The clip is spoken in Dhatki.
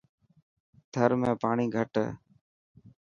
ٿر ۾ پاڻي گھٽ هي.